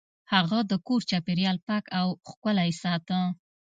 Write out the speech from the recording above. هغه د کور چاپیریال پاک او ښکلی ساته.